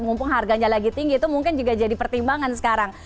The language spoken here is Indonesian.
mumpung harganya lagi tinggi itu mungkin juga jadi pertimbangan sekarang